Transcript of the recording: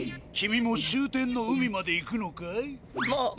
君も終点の海まで行くのかい？